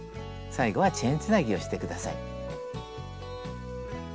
最後はチェーンつなぎをして下さい。